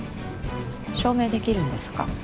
証明できるんですか？